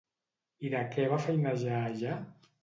I de què va feinejar allà?